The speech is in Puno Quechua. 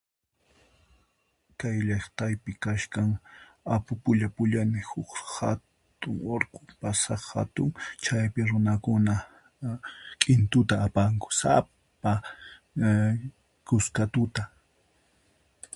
Kay llaqtaypi kachkan Apu Qulla Qullani huk hatun urqu pasaq hatun chaypi runakuna k'intuta apanku sapa (en) kuska tuta.